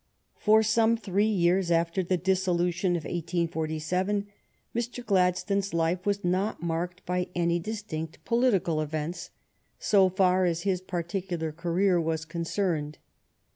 For some three years after the dissolution of 1847, Mr. Gladstone's life was not marked by any distinct political events, so far as his particular career was concerned.